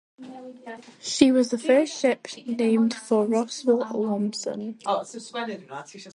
She was the first ship named for Roswell Lamson.